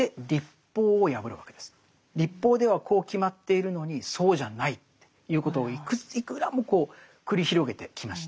律法ではこう決まっているのにそうじゃないっていうことをいくらも繰り広げてきました。